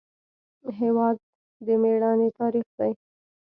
هېواد د میړانې تاریخ دی.